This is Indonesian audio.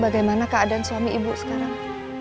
bagaimana keadaan suami ibu sekarang